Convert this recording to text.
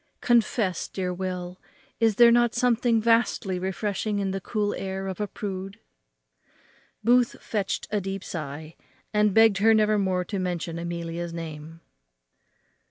Confess, dear Will, is there not something vastly refreshing in the cool air of a prude?" Booth fetched a deep sigh, and begged her never more to mention Amelia's name.